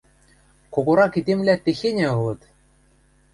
Когорак эдемвлӓ техеньӹ ылыт!